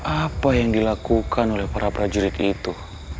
apa yang dilakukan oleh para prajurit itu